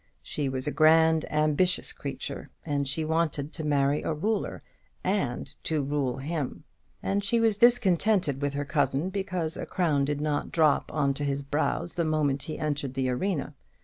She was a grand ambitious creature, and she wanted to marry a ruler, and to rule him; and she was discontented with her cousin because a crown did not drop on to his brows the moment he entered the arena.